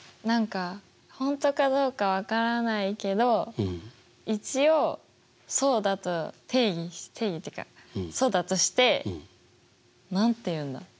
何か本当かどうか分からないけど一応そうだと定義定義っていうかそうだとして何て言うんだ？